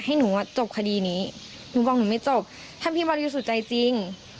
ให้หนูอ่ะจบคดีนี้หนูบอกหนูไม่จบถ้าพี่บริสุทธิ์ใจจริง